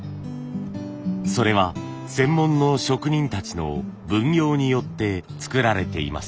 それは専門の職人たちの分業によって作られています。